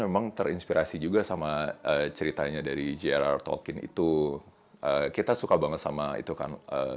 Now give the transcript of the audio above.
memang terinspirasi juga sama ceritanya dari jerr talkin itu kita suka banget sama itu kan